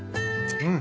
うん。